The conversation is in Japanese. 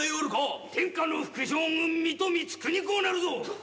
天下の副将軍水戸光圀公なるぞ。